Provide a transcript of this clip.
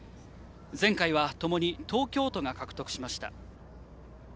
前回はともに東京都が獲得しました。